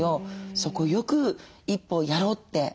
そこをよく一歩をやろうって。